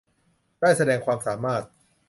ได้แสดงความสามารถ